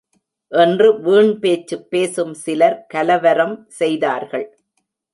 என்று வீண்பேச்சு பேசும் சிலர் கலவரம் செய்தார்கள்.